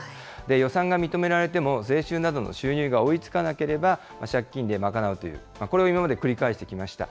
予算が認められても、税収などの収入が追いつかなければ、借金で賄うという、これを今まで繰り返してきました。